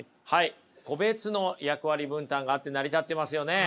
個別の役割分担があって成り立ってますよね。